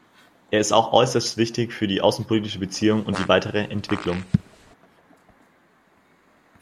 Er ist auch äußerst wichtig für die außenpolitischen Beziehungen und die weitere Entwicklung.